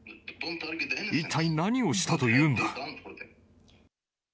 一体何をしたというんだ。